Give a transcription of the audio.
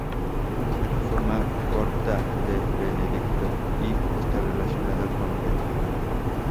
Es la forma corta de Benedicto y está relacionado con Bento.